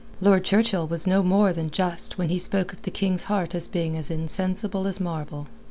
Lord Churchill was no more than just when he spoke of the King's heart as being as insensible as marble.